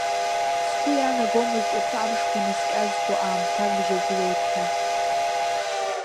Сгәы иаанагомызт урҭ амшқәа наскьазго аамҭак бжьагылоит ҳәа.